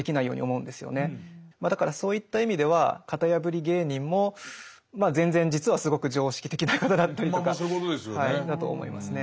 まあだからそういった意味では型破り芸人もまあ全然実はすごく常識的な方だったりとかだと思いますね。